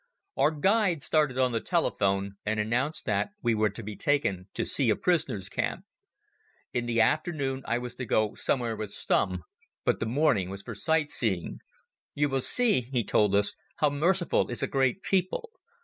Our guide started on the telephone, and announced that we were to be taken to see a prisoners' camp. In the afternoon I was to go somewhere with Stumm, but the morning was for sight seeing. "You will see," he told us, "how merciful is a great people.